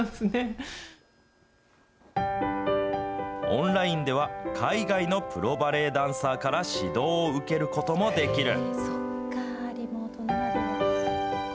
オンラインでは海外のプロバレエダンサーから指導を受けることもできる。